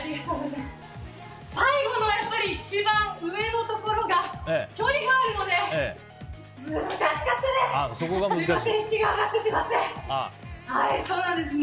最後の一番上のところが距離があるので、難しかったです。